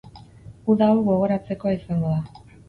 Uda hau gogoratzekoa izango da.